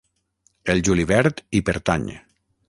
El julivert hi pertany.